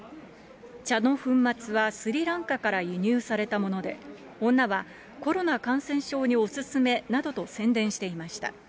茶の粉末はスリランカから輸入されたもので、女はコロナ感染症にお勧めなどと宣伝していました。